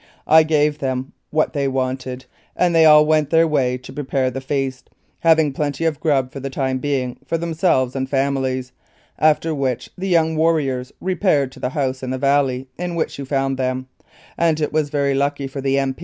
I gave them what they wanted, and they all went their way to prepare the feast, having plenty of grub for the time being for themselves and families, after which the young warriors repaired to the house in the valley in which you found them, and it was very lucky for the M.